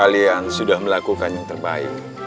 kalian sudah melakukan yang terbaik